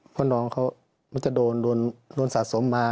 พ่อน้องเขามันจะโดนโดนสะสมมา